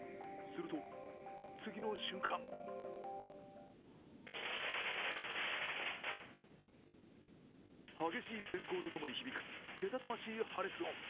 すると、次の瞬間激しいせん光とともに響くけたたましい破裂音。